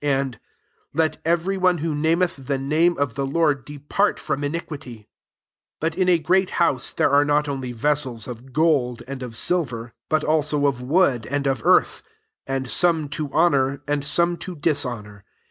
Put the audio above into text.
And, " Let every one who nam eth the name of the Lord de pan from iniquity." 20 But in a great house there are not only vessels of gold, and of silver, but also of wood, and of earth ; and some to honour, and some to dishonour.